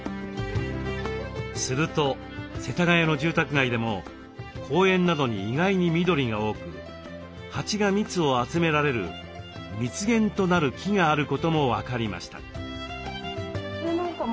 すると世田谷の住宅街でも公園などに意外に緑が多く蜂が蜜を集められる蜜源となる木があることも分かりました。